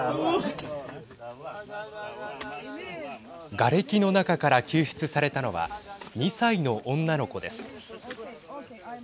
がれきの中から救出されたのは２歳の女の子です。